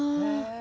え？